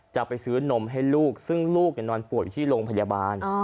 จะไปซื้อนมให้ลูกซึ่งลูกนอนป่วยอยู่ที่โรงพยาบาล